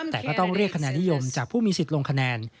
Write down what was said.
แต่ก็ต้องเรียกคะแนนนิยมจากผู้มีสิทธิ์ลงคะแนน